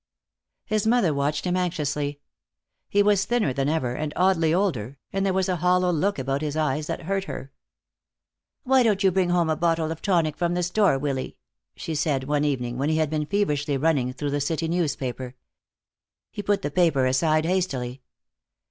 His mother watched him anxiously. He was thinner than ever, and oddly older, and there was a hollow look about his eyes that hurt her. "Why don't you bring home a bottle of tonic from the store, Willy," she said, one evening when he had been feverishly running through the city newspaper. He put the paper aside hastily.